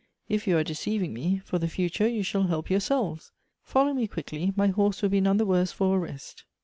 If you are deceiving me, for the future you shall help yourselves. Follow me quickly, my horse will be none the worse for a rest."